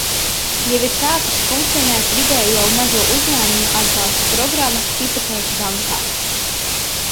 Jau ir sākusi funkcionēt vidējo un mazo uzņēmumu atbalsta programma Hipotēku bankā.